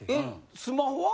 スマホは？